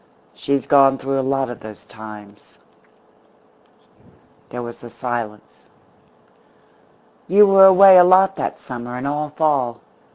She's gone through a lot of those times." There was a silence. "You were away a lot that summer, and all fall.